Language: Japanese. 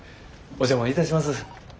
お邪魔いたします。